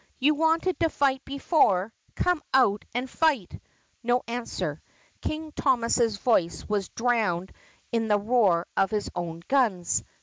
You wanted to fight before! Come on out and fight!" No answer. King Thomas's voice was drowned in the roar of his own guns.